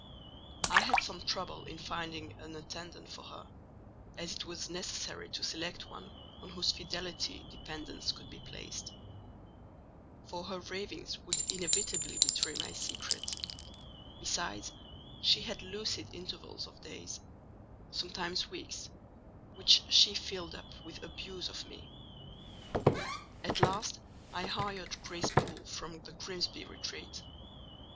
I had some trouble in finding an attendant for her, as it was necessary to select one on whose fidelity dependence could be placed; for her ravings would inevitably betray my secret: besides, she had lucid intervals of days—sometimes weeks—which she filled up with abuse of me. At last I hired Grace Poole from the Grimbsy Retreat.